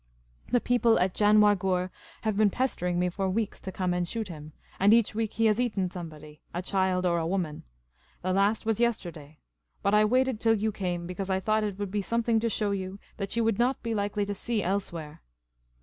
The people at Janwargurh have been pestering me for weeks to come and shoot him ; and each week he has eaten somebody — a child or a woman ; the last was yesterday — but I waited till you came, because I thought it would be something to show you that you would not be likely to see elsewhere."